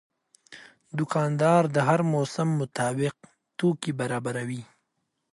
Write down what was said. دوکاندار د هر موسم مطابق توکي برابروي.